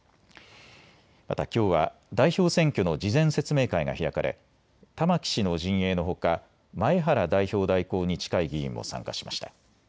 また、きょうは代表選挙の事前説明会が開かれ玉木氏の陣営のほか前原代表代行に近い議員も参加しました。